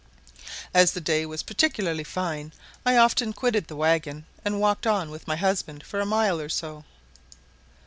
As the day was particularly fine, I often quitted the waggon and walked on with my husband for a mile or so.